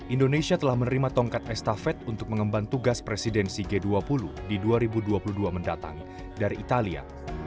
indonesia telah menerima tongkat estafet untuk mengemban tugas presidensi g dua puluh di dua ribu dua puluh dua mendatang dari italia